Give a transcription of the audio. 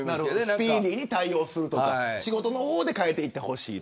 スピーディーに対応するとか仕事の方で変えていってほしい。